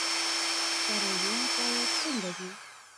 څارنوال باید څنګه وي؟